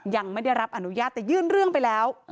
ยังไม่ได้รับอนุญาตแต่ยื่นเรื่องไปแล้ว